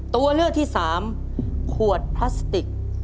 ตัวเลือกที่๓ขวดพลาสติก